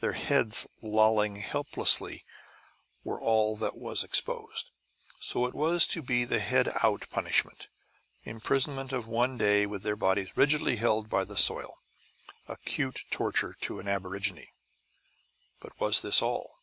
Their heads, lolling helplessly, were all that was exposed. So it was to be the Head Out punishment imprisonment of one day with their bodies rigidly held by the soil: acute torture to an aborigine. But was this all?